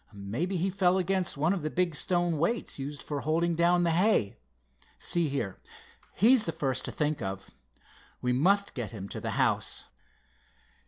"Mebbe he fell against one of the big stone weights used for holding down the hay. See here, he's the first to think of. We must get him to the house."